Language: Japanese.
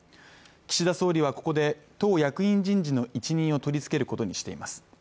岸田総理はここで党役員人事の一任を取り付けることにしています